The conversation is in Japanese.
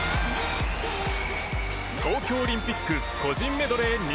東京オリンピック個人メドレー２